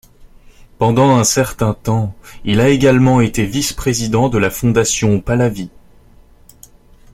Pendant un certain temps, il a également été vice-président de la Fondation Pahlavi.